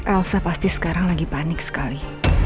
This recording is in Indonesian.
elsa pasti sekarang lagi panik sekali